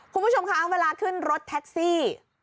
คุณผู้ชมคะเวลาขึ้นรถแท็กซี่